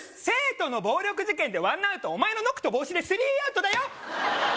生徒の暴力事件でワンアウトお前のノックと帽子でスリーアウトだよ！